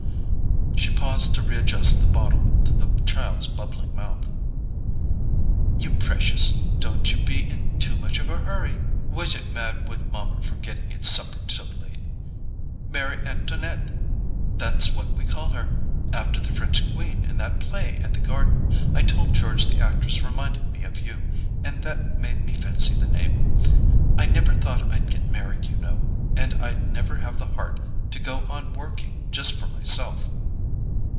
She paused to readjust the bottle to the child's bubbling mouth. "You precious—don't you be in too much of a hurry! Was it mad with mommer for getting its supper so late? Marry Anto'nette—that's what we call her: after the French queen in that play at the Garden—I told George the actress reminded me of you, and that made me fancy the name.... I never thought I'd get married, you know, and I'd never have had the heart to go on working just for myself."